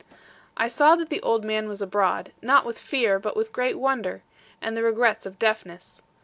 I saw that the old man was abroad; not with fear, but with great wonder, and the regrets of deafness.